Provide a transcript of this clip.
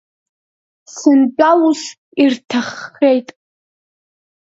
Сынтәа ус ирҭаххеит.